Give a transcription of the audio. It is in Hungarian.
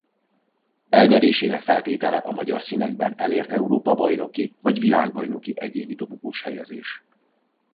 Elnyerésének feltétele a magyar színekben elért Európa-bajnoki vagy világbajnoki egyéni dobogós helyezés.